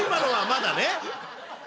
まだね。